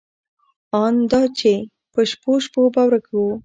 ان دا چې په شپو شپو به ورک و.